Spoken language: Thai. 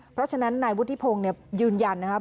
เพราะฉะนั้นนายวุฒิพงศ์ยืนยันนะครับ